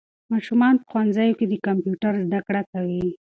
ماشومان په ښوونځیو کې د کمپیوټر زده کړه کوي.